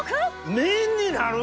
麺になる！